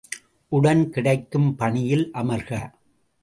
உடன் கிடைக்கும் பணியில் அமர்க!